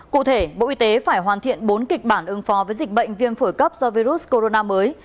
cụ thể bộ y tế phải hoàn thiện bốn kịch bản ứng phó với dịch bệnh viêm phổi cấp do virus corona mới